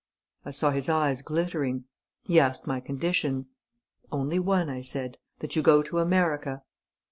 I saw his eyes glittering. He asked my conditions. 'Only one,' I said, 'that you go to America.'...